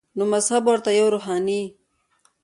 نو مذهب ورته یوه روحاني